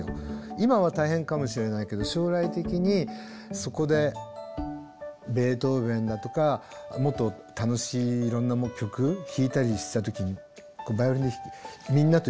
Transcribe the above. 今は大変かもしれないけど将来的にそこでベートーヴェンだとかもっと楽しいいろんな曲弾いたりした時にバイオリンでみんなと一緒に演奏できる。